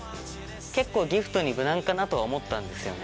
結構ギフトに無難かなとは思ったんですよね。